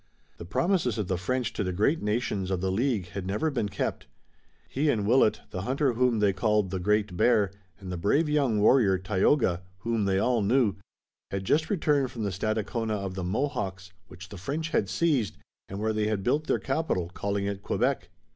The promises of the French to the great nations of the League had never been kept. He and Willet, the hunter whom they called the Great Bear, and the brave young warrior, Tayoga, whom they all knew, had just returned from the Stadacona of the Mohawks, which the French had seized, and where they had built their capital, calling it Quebec.